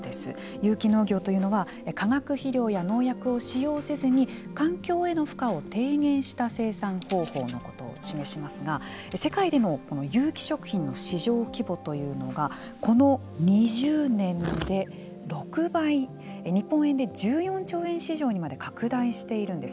有機農業というのは化学肥料や農薬を使用せずに環境への負荷を低減した生産方法のことを示しますが世界での有機食品の市場規模というのがこの２０年で６倍、日本円で１４兆円市場にまで拡大しているんです。